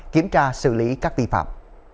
kiểm tra xử lý các vi phạm